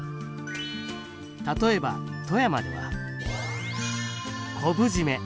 例えば富山では昆布締め。